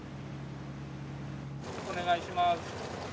お願いします。